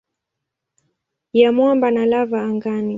ya mwamba na lava angani.